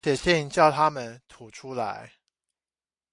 寫信叫他們吐出來